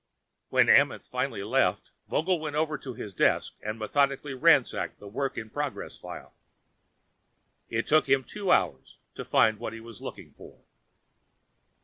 When Amenth finally left, Vogel went over to his desk and methodically ransacked the work in process file. It took him two hours to find what he was looking for.